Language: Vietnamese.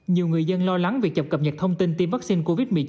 nhiều người dân lo lắng việc chậm cập nhật thông tin tiêm vaccine covid một mươi chín